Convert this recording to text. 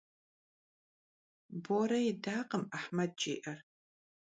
Bore yidakhım Ahmed jji'er.